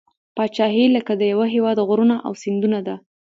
پاچهي لکه د یوه هیواد غرونه او سیندونه ده.